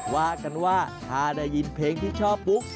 ว่ากันว่าถ้าได้ยินเพลงที่ชอบปุ๊บ